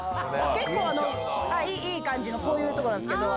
結構、いい感じの、こういう所なんですけど。